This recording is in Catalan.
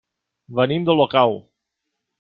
Venim d'Olocau.